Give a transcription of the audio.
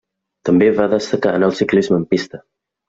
També va destacar en el ciclisme en pista.